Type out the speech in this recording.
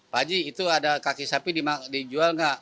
pak haji itu ada kaki sapi dijual nggak